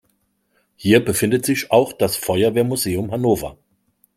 Hier befindet sich auch das Feuerwehrmuseum Hannover.